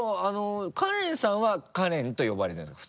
かれんさんは「かれん」と呼ばれてるんですか？